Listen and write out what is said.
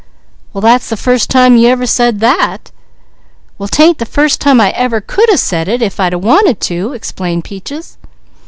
"Well that's the first time you ever said that." "Well 'tain't the first time I ever could a said it, if I'd a wanted to," explained Peaches.